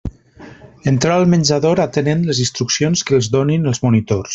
Entrar al menjador atenent les instruccions que els donin els monitors.